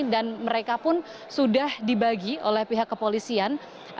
dan mereka pun sudah dibagi oleh pihak kepolisian